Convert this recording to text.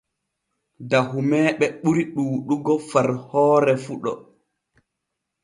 Dahumeeɓe ɓuri ɗuuɗugo far hoore fuɗo.